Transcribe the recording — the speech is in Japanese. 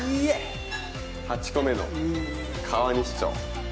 ８個目の川西町。